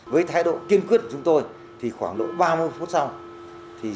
với thái độ kiên quyết của chúng tôi thì khoảng lúc ba mươi phút sau thì dương nguyên minh và quân mộ mới chấp thuận